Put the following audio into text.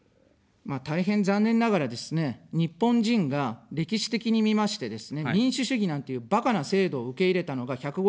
大変残念ながらですね、日本人が歴史的に見ましてですね、民主主義なんていう、ばかな制度を受け入れたのが１５０年前です。